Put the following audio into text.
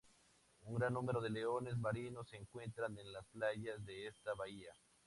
Un gran número de leones marinos se encuentran en las playas de esta bahía.